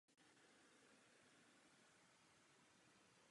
Původní staniční budova zanikla.